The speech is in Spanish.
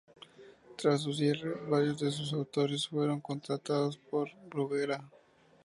Tras su cierre, varios de sus autores fueron contratados por Bruguera.